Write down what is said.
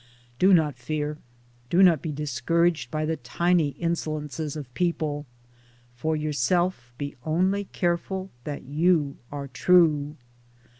Do not fear ; do not be discouraged by the tiny insolences of people. For yourself be only careful that you are true.